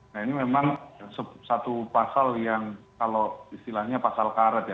nah ini memang satu pasal yang kalau istilahnya pasal karet ya